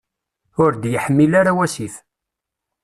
Ur d-yeḥmil ara wasif.